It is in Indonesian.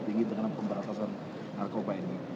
tinggi dengan pembahasan narkoba ini